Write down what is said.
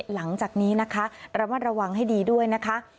หลังจากนี้นะคะระมัดระวังให้ดีด้วยนะคะ